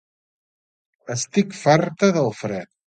Estic farta del fred